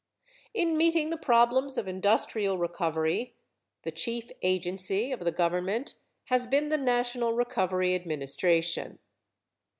In meeting the problems of industrial recovery the chief agency of the government has been the National Recovery Administration.